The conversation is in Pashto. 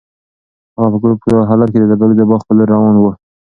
هغه په کړوپ حالت کې د زردالو د باغ په لور روان و.